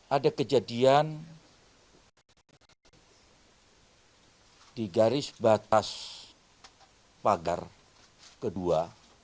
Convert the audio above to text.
ada kejadian di garis batas pagar kedua